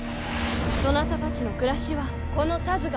そなたたちの暮らしはこの田鶴が守るでな。